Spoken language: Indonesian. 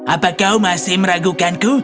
apa kau masih meragukanku